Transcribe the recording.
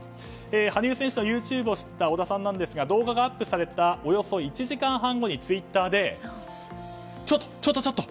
羽生選手のＹｏｕＴｕｂｅを知った織田さんなんですが動画がアップされたおよそ１時間半後にツイッターでちょっとちょっと！